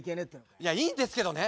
いやいいんですけどね。